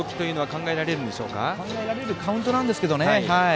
考えられるカウントなんですけどね。